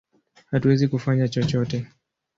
Hatuwezi kufanya chochote!